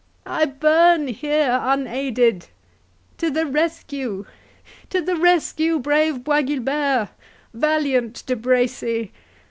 —I burn here unaided!—To the rescue—to the rescue, brave Bois Guilbert, valiant De Bracy!